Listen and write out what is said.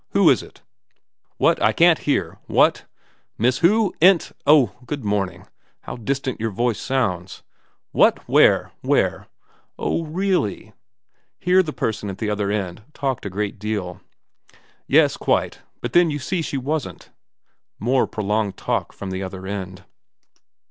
Who is it ?'* What ? I can't hear. What ?' 314 VERA ' Miss who ? Ent oh, good morning, How distant your voice sounds.' ' What ? Where ? Where ?'' Oh really.' Here the person at the other end talked a great deal. * Yes. Quite. But then you see she wasn't.' More prolonged talk from the other end.